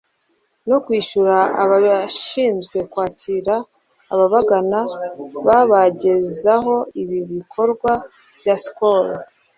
no kwishyura abashinzwe kwakira ababagana babagezaho ibi bikorwa bya Skol